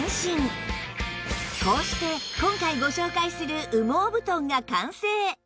最後にこうして今回ご紹介する羽毛布団が完成